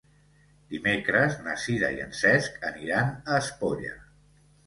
Dimecres na Sira i en Cesc aniran a Espolla.